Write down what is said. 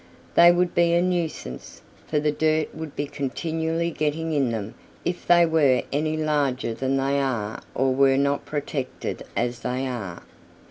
They would be a nuisance, for the dirt would be continually getting in them if they were any larger than they are or were not protected as they are.